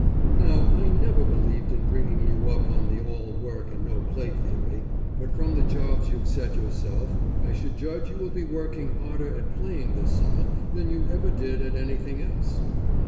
Now I never believed in bringing you up on the all work and no play theory, but from the jobs you've set yourself I should judge you will be working harder at playing this summer than you ever did at anything else.